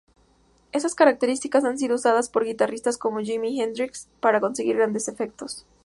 Estas características han sido usadas por guitarristas como Jimi Hendrix para conseguir grandes efectos.